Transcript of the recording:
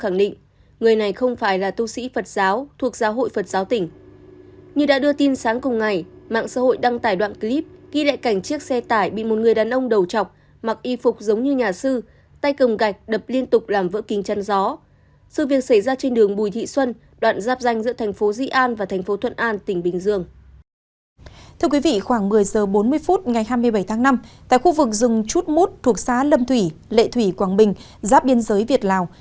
thưa quý vị khoảng một mươi h bốn mươi phút ngày hai mươi bảy tháng năm tại khu vực rừng chút mút thuộc xá lâm thủy lệ thủy quảng bình giáp biên giới việt lào